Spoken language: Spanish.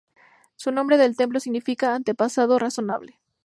Su nombre del templo significa "antepasado razonable".